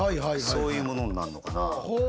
そういうものになんのかな。